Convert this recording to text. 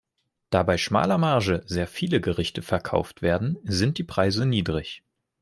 Da bei schmaler Marge sehr viele Gerichte verkauft werden, sind die Preise niedrig.